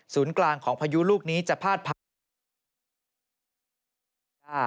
กลางของพายุลูกนี้จะพาดผ่าน